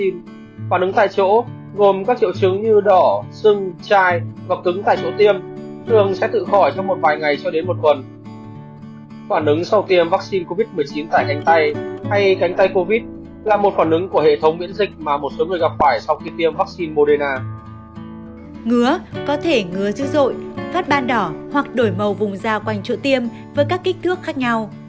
ngứa có thể ngứa dữ dội phát ban đỏ hoặc đổi màu vùng dao quanh chỗ tiêm với các kích thước khác nhau